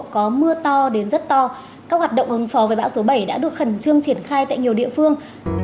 có mưa to đến rất to các hoạt động hồng phò về bão số bảy đã được khẩn trương triển khai tại nhiều địa phương